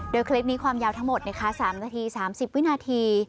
โดยคลิปนี้ความยาวทั้งหมด๓นาที๓๐วินาที